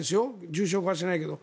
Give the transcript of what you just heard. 重症化しないけど。